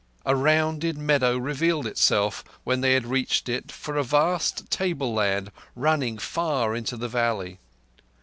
A rounded meadow revealed itself, when they had reached it, for a vast tableland running far into the valley.